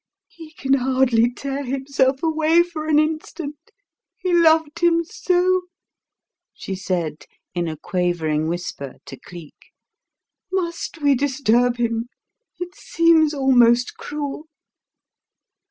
"He can hardly tear himself away for an instant he loved him so!" she said in a quavering whisper to Cleek. "Must we disturb him? It seems almost cruel."